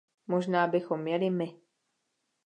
Možná bychom měli my.